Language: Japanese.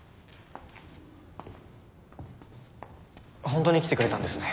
本当に来てくれたんですね。